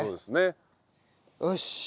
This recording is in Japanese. よし。